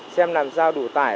xem làm sao đủ tải